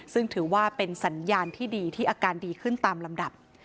ซึ่งถือว่าเป็นสัญญาณที่ดีที่อาการดีขึ้นตามลำดับ